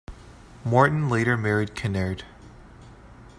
Morton later married Kinnaird.